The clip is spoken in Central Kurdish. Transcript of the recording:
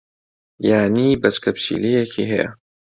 یانی بەچکە پشیلەیەکی ھەیە.